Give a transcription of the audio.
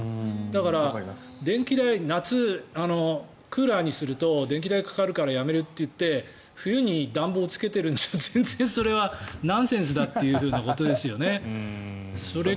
だから電気代夏、クーラーにすると電気代がかかるからやめるといって冬に暖房をつけてるんじゃ全然それはナンセンスだということですね。